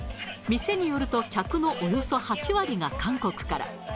店によると、客のおよそ８割が韓国から。